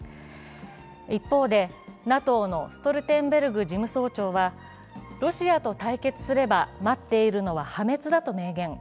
一方で、ＮＡＴＯのストルテンベルグ事務総長は、ロシアと対決すれば待っているのは破滅だと明言。